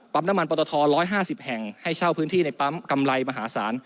น้ำมันปตท๑๕๐แห่งให้เช่าพื้นที่ในปั๊มกำไรมหาศาล